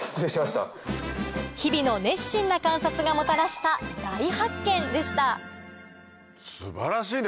日々の熱心な観察がもたらした大発見でした素晴らしいね